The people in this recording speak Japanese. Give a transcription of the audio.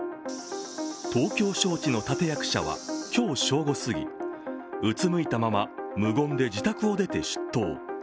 東京招致の立て役者は今日正午すぎうつむいたまま無言で自宅を出て出頭。